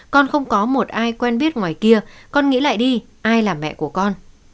con không có một ai quen biết ngoài kia con nghĩ lại đi ai là mẹ của con